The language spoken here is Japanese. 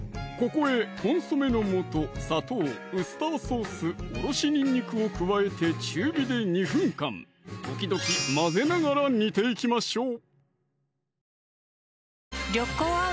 ここへコンソメの素・砂糖・ウスターソース・おろしにんにくを加えて中火で２分間時々混ぜながら煮ていきましょう